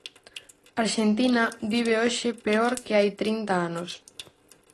Arxentina vive hoxe peor que hai trinta anos.